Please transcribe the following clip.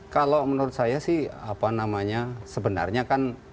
kalau menurut saya sih apa namanya sebenarnya kan